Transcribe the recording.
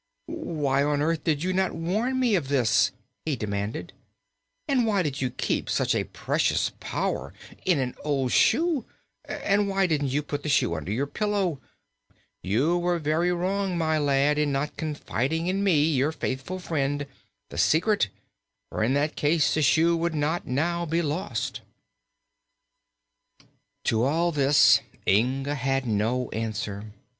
"Why on earth did you not warn me of this?" he demanded. "And why did you keep such a precious power in an old shoe? And why didn't you put the shoe under a pillow? You were very wrong, my lad, in not confiding to me, your faithful friend, the secret, for in that case the shoe would not now be lost." To all this Inga had no answer.